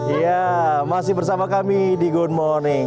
iya masih bersama kami di good morning